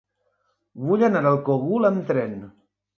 Vull anar al Cogul amb tren.